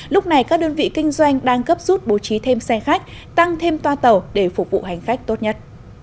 lúc này các đơn vị kinh doanh đang cấp rút bố trí thêm xe khách tăng thêm toa tàu để phục vụ hành khách tốt nhất